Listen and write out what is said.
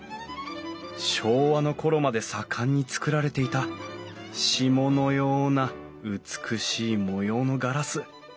昭和の頃まで盛んに作られていた霜のような美しい模様のガラス。